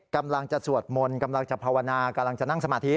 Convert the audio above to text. กำลังจะสวดมนต์กำลังจะภาวนากำลังจะนั่งสมาธิ